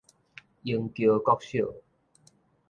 螢橋國小